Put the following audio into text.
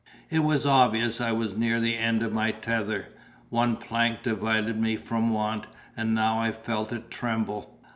It was obvious I was near the end of my tether; one plank divided me from want, and now I felt it tremble.